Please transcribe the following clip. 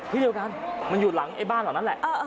ที่เดียวกันมันอยู่หลังไอ้บ้านเหล่านั้นแหละ